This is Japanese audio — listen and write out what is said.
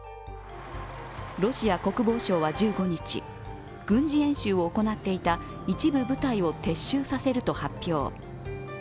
ロシア国防省は１５日軍事演習を行っていた一部部隊を撤収させると発表。